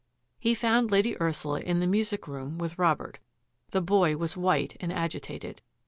He found Lady Ursula in the music room with Robert. The boy was white and agitated.